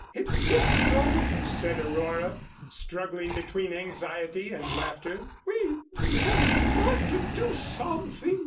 "It looks so," said Aurora, struggling between anxiety and laughter. "We really ought to do something."